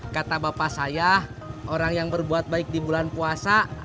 kata bapak saya orang yang berbuat baik di bulan puasa